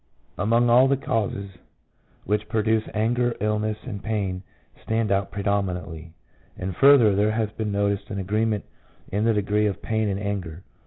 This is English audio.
..." 2 Among all the causes which produce anger, illness and pain stand Out pre eminently; 3 and further, there has been noticed an agreement in the degree of pain and anger.